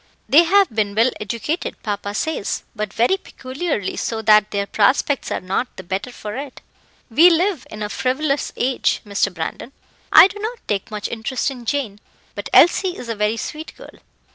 "They have been well educated, papa says, but very peculiarly, so that their prospects are not the better for it. We live in a frivolous age, Mr. Brandon. I do not take much interest in Jane, but Elsie is a very sweet girl."